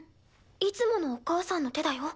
いつものお母さんの手だよ。